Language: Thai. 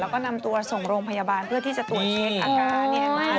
แล้วก็นำตัวส่งโรงพยาบาลเพื่อที่จะตรวจเช็คอาการ